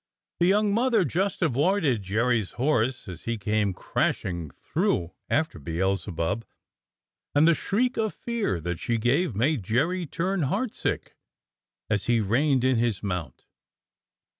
The young mother just avoided Jerry's horse as he came crashing through after Beelzebub, and the shriek of fear that she gave made Jerry turn heartsick as he reined in his mount.